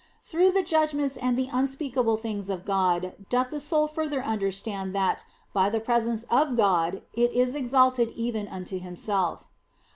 Through the judgments and the unspeakable things of God doth the soul further understand that by the presence of God it is exalted even unto Himself.